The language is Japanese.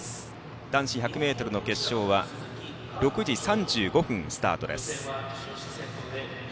男子１００ｍの決勝は６時３５分、スタートです。